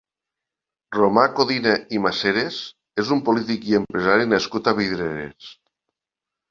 Romà Codina i Maseras és un polític i empresari nascut a Vidreres.